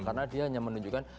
karena dia hanya menunjukkan